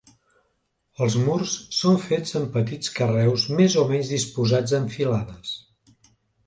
Els murs són fets amb petits carreus més o menys disposats en filades.